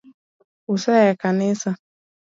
Use a e kanisa